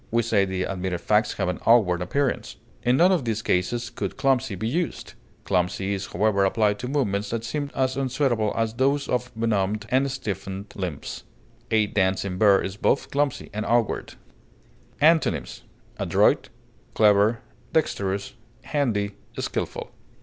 We say the admitted facts have an awkward appearance. In none of these cases could clumsy be used. Clumsy is, however, applied to movements that seem as unsuitable as those of benumbed and stiffened limbs. A dancing bear is both clumsy and awkward. Antonyms: adroit, clever, dexterous, handy, skilful.